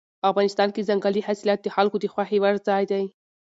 افغانستان کې ځنګلي حاصلات د خلکو د خوښې وړ ځای دی.